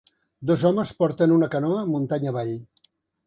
Dos homes porten una canoa muntanya avall.